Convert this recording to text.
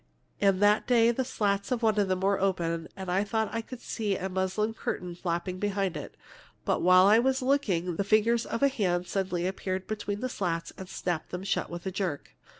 And that day the slats in one of them were open, and I thought I could see a muslin curtain flapping behind it. But while I was looking, the fingers of a hand suddenly appeared between the slats and snapped them shut with a jerk.